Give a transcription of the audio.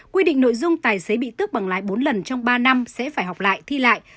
quy định nội dung tài xế bị tước bằng lái bốn lần trong ba năm sẽ phải học lại thi lại